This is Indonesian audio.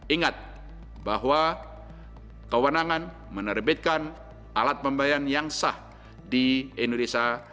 ingat bahwa kewenangan menerbitkan alat pembayaran yang sah di indonesia